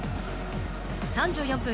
３４分。